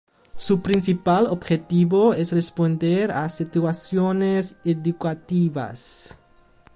Su principal objetivo es responder a situaciones educativas.